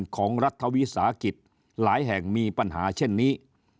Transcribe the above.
ของรัฐวิสาหกิจหลายแห่งมีปัญหาเช่นนี้